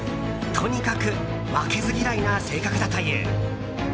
とにかく負けず嫌いな性格だという。